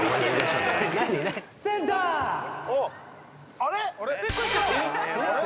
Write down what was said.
あれ？